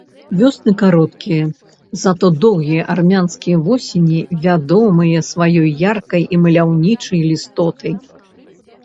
Вёсны кароткія, затое доўгія армянскія восені вядомыя сваёй яркай і маляўнічай лістотай.